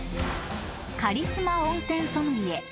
［カリスマ温泉ソムリエ